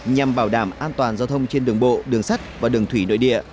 nhằm bảo đảm an toàn giao thông trên đường bộ đường sắt và đường thủy nội địa